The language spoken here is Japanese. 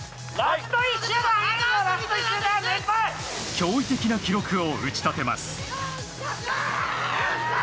驚異的な記録を打ち立てます。